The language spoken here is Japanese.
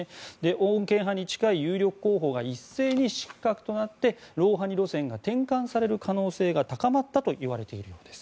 穏健派に近い有力候補が一斉に失格となってロウハニ路線が転換される可能性が高まったといわれているんです。